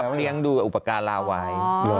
เขาเลี้ยงดูอุปการณ์ลาวาย